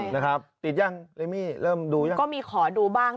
นะครับติดยังเอมมี่เริ่มดูยังก็มีขอดูบ้าง